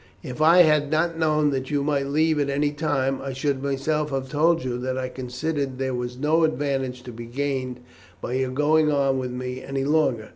If I had not known that you might leave at any time, I should myself have told you that I considered there was no advantage to be gained by your going on with me any longer.